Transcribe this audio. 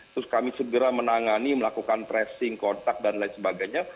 terus kami segera menangani melakukan tracing kontak dan lain sebagainya